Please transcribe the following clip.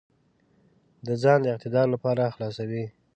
د ځان د اقتدار لپاره خلاصوي.